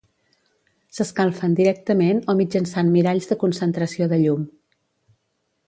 S'escalfen directament o mitjançant miralls de concentració de llum.